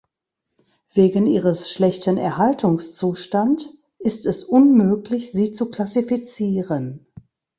Wegen ihres schlechten Erhaltungszustand ist es unmöglich, sie zu klassifizieren.